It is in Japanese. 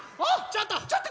ちょっと！